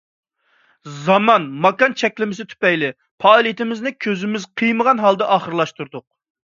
زامان، ماكان چەكلىمىسى تۈپەيلى پائالىيىتىمىزنى كۆزىمىز قىيمىغان ھالدا ئاخىرلاشتۇردۇق.